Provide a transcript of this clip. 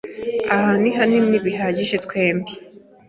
Aha hantu ni hanini bihagije twembi.